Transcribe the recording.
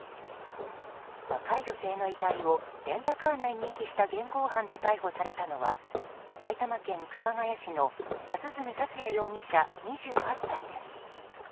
若い女性の遺体をレンタカー内に遺棄した現行犯で逮捕されたのは埼玉県熊谷市の安栖達也容疑者、２８歳です。